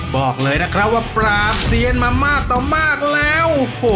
บอกเลยนะครับว่าปราบเซียนมามากต่อมากแล้ว